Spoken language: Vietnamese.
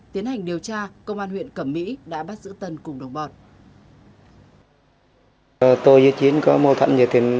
tiến hành điều tra công an huyện cẩm mỹ đã bắt giữ tân cùng đồng bọn